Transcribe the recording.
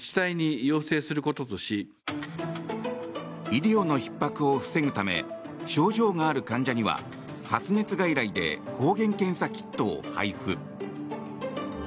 医療のひっ迫を防ぐため症状がある患者には発熱外来で抗原検査キットを配布。